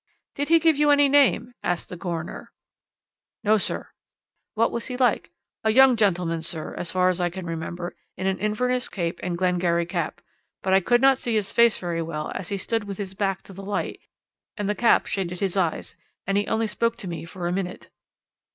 "'Did he give you any name?' asked the coroner. "'No, sir.' "'What was he like?' "'A young gentleman, sir, as far as I can remember, in an Inverness cape and Glengarry cap, but I could not see his face very well as he stood with his back to the light, and the cap shaded his eyes, and he only spoke to me for a minute.'